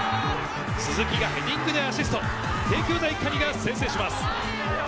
鈴木がヘディングでアシスト、帝京大可児が先制します。